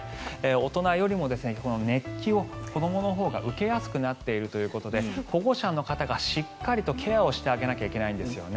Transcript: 大人よりも熱気を子どものほうが受けやすくなっているということで保護者の方がしっかりとケアをしてあげなきゃいけないんですね。